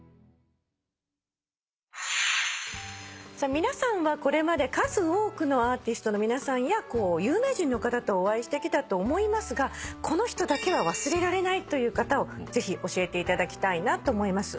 皆さんはこれまで数多くのアーティストの皆さんや有名人の方とお会いしてきたと思いますがこの人だけは忘れられないという方をぜひ教えていただきたいなと思います。